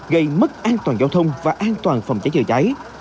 gây mất an toàn giao thông và an toàn phòng trái trợ trái